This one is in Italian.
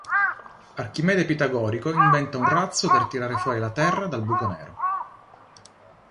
Archimede Pitagorico inventa un razzo per tirare fuori la Terra dal buco nero.